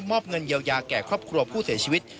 อบเงินเยียวยาแก่ครอบครัวผู้เสียชีวิต